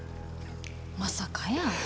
まさかやー。